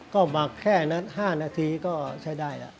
ก็หมักแค่๕นาทีก็ใช้ได้แล้ว